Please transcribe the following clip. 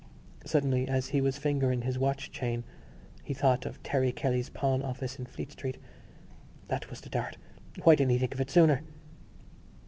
Suddenly, as he was fingering his watch chain, he thought of Terry Kelly's pawn office in Fleet Street. That was the dart! Why didn't he think of it sooner?